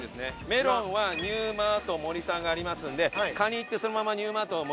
メロンはニューマート・モリさんがありますんでカニ行ってそのままニューマート・モリさん行きましょう。